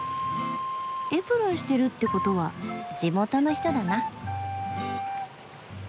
エプロンしてるってことは地元の人だな。